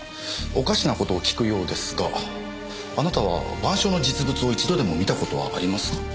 おかしなことを訊くようですがあなたは『晩鐘』の実物を一度でも見たことはありますか？